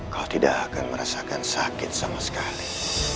kau tidak akan merasakan sakit sama sekali